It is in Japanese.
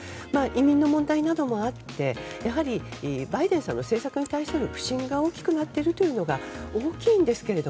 移民の問題などもあって、やはりバイデンさんの政策に対する不信が大きくなっているのが大きいんですが。